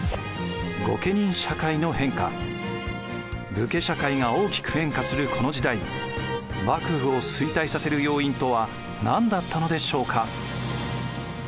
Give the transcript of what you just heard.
武家社会が大きく変化するこの時代幕府を衰退させる要因とは何だったのでしょうか？